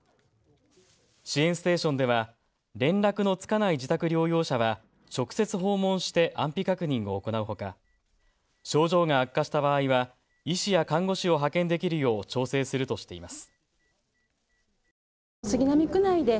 支援ステーションでは連絡のつかない自宅療養者は直接訪問して安否確認を行うほか症状が悪化した場合は医師や看護師を派遣できるよう調整するとしています。